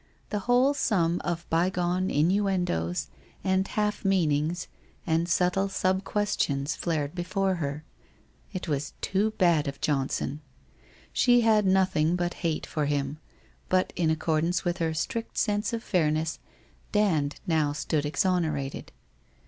The whole sum of bygone innuendoes and half meanings and subtle sub questions flared before her, it was too bad of Johnson! She had nothing but hate for him, but in accordance with her strict sense of fair ness, Dand now stood exonerated.